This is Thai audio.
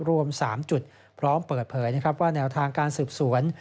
รวม๓จุดพร้อมเปิดเผยนะครับว่าแนวทางการสืบสวน